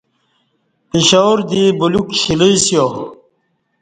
پشاور دی بلیوک شیلہ اسیا